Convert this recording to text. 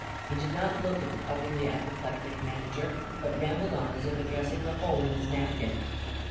He did not look at the puffingly apoplectic manager, but rambled on as if addressing the hole in his napkin.